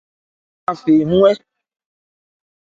Alɔ ka phɛ nnwɛ.